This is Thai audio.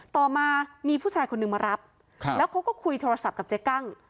ต่อมามีผู้ชายคนหนึ่งมารับแล้วเขาก็คุยโทรศัพท์กับเจ๊กั้ง